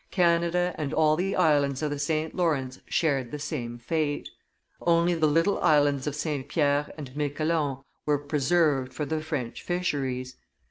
Canada and all the islands of the St. Lawrence shared the same fate. Only the little islands of St. Pierre and Miquelon were preserved for the French fisheries.